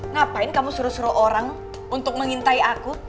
ngapain kamu suruh suruh orang untuk mengintai aku